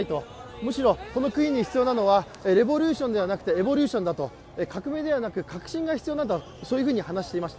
むしろこの国に必要なのはレボリューションではなくエボリューションだと、革命ではなく革新が必要だと、そういうふうに話していました。